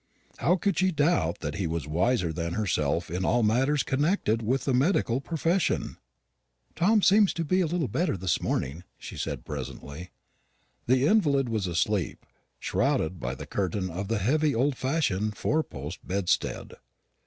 How could she doubt that he was wiser than herself in all matters connected with the medical profession? "Tom seems a little better this morning," she said presently. The invalid was asleep, shrouded by the curtain of the heavy old fashioned four post bedstead.